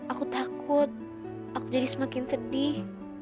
aku takut aku jadi semakin sedih